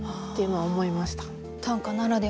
はい。